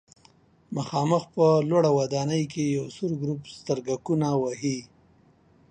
مخامخ په یوه لوړه ودانۍ کې یو سور ګروپ سترګکونه وهي.